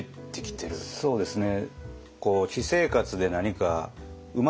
そうですね